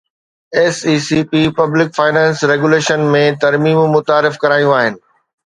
S E C P public finance regulation ۾ ترميمون متعارف ڪرايون آهن